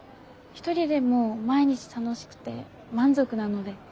一人でも毎日楽しくて満足なので。